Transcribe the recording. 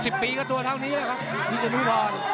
อีก๑๐ปีก็ตัวเท่านี้มั้ยครับวิชยานุพร